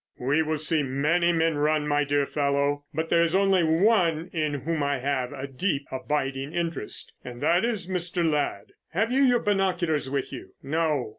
"We will see many men run, my dear fellow, but there is only one in whom I have a deep abiding interest, and that is Mr. Ladd. Have you your binoculars with you?" "No."